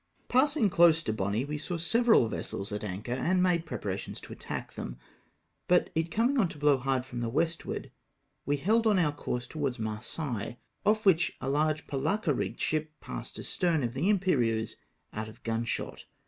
Passing close to Boni, we saw several vessels at anchor, and made preparations to attack them, but it coming on to blow hard from the westward, we held on our course towards Marseilles, off which a large polacca rigged ship passed astern of the Imperieuse^ out of gunshot.